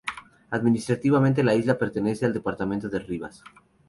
Administrativamente la isla pertenece al departamento de Rivas.